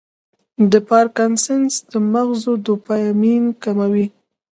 د پارکنسن د مغز ډوپامین کموي.